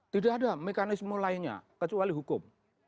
tidak ada mekanisme lainnya kecuali hukum